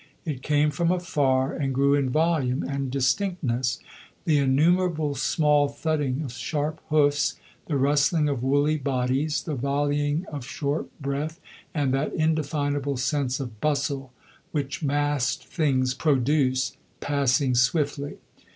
It came from afar and grew in volume and distinctness; the innumerable small thudding of sharp hoofs, the rustling of woolly bodies, the volleying of short breath, and that indefinable sense of bustle which massed things produce, passing swiftly.